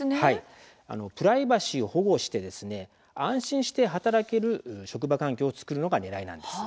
プライバシーを保護して安心して働ける環境を作ることがねらいです。